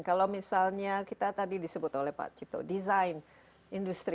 kalau misalnya kita tadi disebut oleh pak cito desain industri